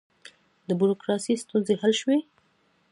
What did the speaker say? د بروکراسۍ ستونزې حل شوې؟